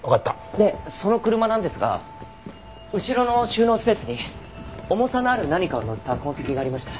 でその車なんですが後ろの収納スペースに重さのある何かを載せた痕跡がありました。